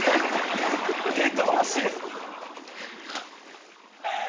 手と足が。